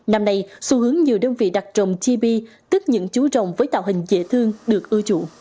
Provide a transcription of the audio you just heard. năm nay xu hướng nhiều đơn vị đặt rồng chibi tức những chú rồng với tạo hình dễ thương được ưa chủ